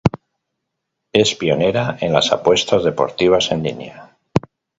Es pionera en las apuestas deportivas en línea.